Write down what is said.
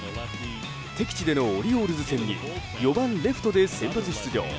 敵地でのオリオールズ戦に４番レフトで先発出場。